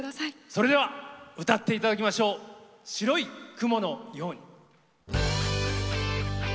それでは歌っていただきましょう「白い雲のように」。